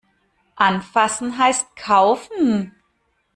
Anfassen heißt kaufen.